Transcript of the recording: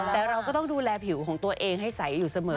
แต่เราก็ต้องดูแลผิวของตัวเองให้ใสอยู่เสมอ